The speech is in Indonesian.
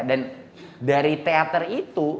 dan dari teater itu